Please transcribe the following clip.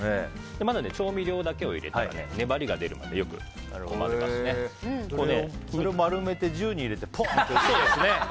まずは調味料だけ入れたら粘りが出るまでそれを丸めて銃に入れてポーン！